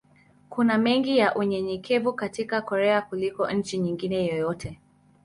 Kuna mengi ya unyenyekevu katika Korea kuliko nchi nyingine yoyote.